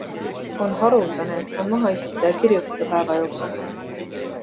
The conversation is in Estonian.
On haruldane, et saan maha istuda ja kirjutada päeva jooksul.